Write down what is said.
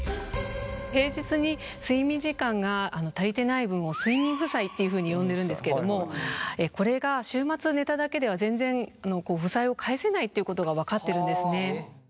平日に睡眠時間が足りてない分を睡眠負債っていうふうに呼んでるんですけどもこれが週末寝ただけでは全然負債を返せないっていうことが分かってるんですね。